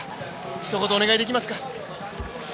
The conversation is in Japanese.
ひと言お願いできますか？